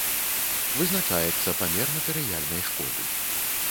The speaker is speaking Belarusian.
Вызначаецца памер матэрыяльнай шкоды.